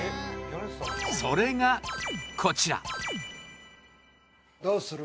それが、こちらどうする？